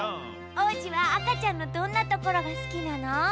おうじはあかちゃんのどんなところがすきなの？